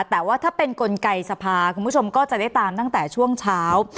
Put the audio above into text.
แต่ว่าถ้าเป็นกลไกสภาคุณผู้ชมก็จะได้ตามตั้งแต่ช่วงเช้า